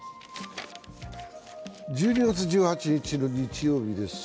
１２月１８日の日曜日です。